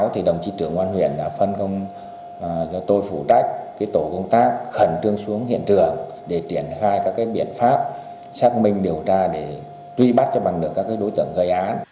tổ công tác khẩn trương xuống hiện trường để triển khai các biện pháp xác minh điều tra để truy bắt cho bằng được các đối tượng gây án